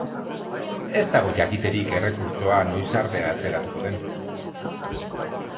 Ez dago jakiterik errekurtsoa noiz arte atzeratuko den.